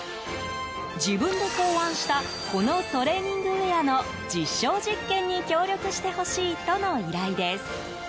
自分で考案したこのトレーニングウェアの実証実験に協力してほしいとの依頼です。